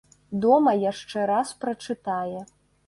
Дома яшчэ раз прачытае.